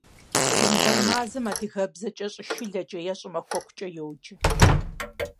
Январь мазэм адыгэбзэкӏэ щӀышылэкӏэ е щӀымахуэкукӏэ йоджэ.